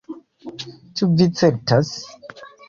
"Ĉu vi certas?"